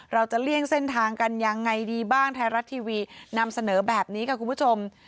เลี่ยงเส้นทางกันยังไงดีบ้างไทยรัฐทีวีนำเสนอแบบนี้ค่ะคุณผู้ชม